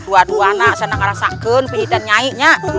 dua dua nak senang ngerasakan pilih dan nyai nyak